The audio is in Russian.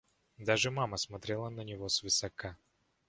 Даже мама смотрела на него свысока.